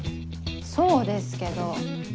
そうですけど。